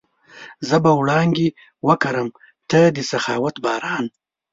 زه به وړانګې وکرم، ته د سخاوت باران